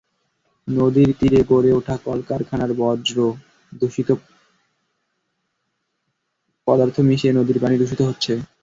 নদীর তীরে গড়ে ওঠা কলকারখানার বর্জ্য পদার্থ মিশে নদীর পানি দূষিত হচ্ছে।